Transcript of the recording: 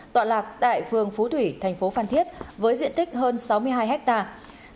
tại phương phú thủy thành phố phan thiết với diện tích hơn sáu mươi hai hectare